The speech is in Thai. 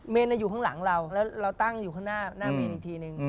อยู่ข้างหลังเราแล้วเราตั้งอยู่ข้างหน้าเมนอีกทีนึง